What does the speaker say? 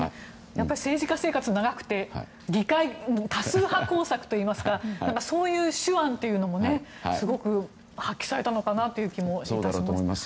政治家生活が長くて多数派工作といいますかそういう手腕もすごく発揮されたのかなという気もします。